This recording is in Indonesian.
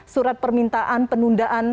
surat permintaan penundaan